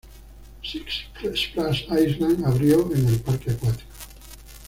Six’s Splash Island abrió en el parque acuático.